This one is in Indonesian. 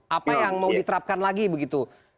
apa yang mau diterapkan lagi begitu